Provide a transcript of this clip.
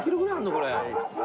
これ。